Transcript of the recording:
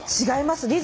違います。